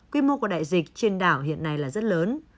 quy mô của đại dịch trên đảo hiện nay là rất lớn